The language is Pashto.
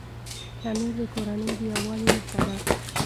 تنور د کورنۍ د یووالي نښه ده